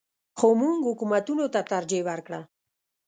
خو موږ حکومتونو ته ترجیح ورکړه.